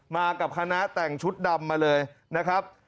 มากับคณะแต่งชุดดำมาเลยนะครับ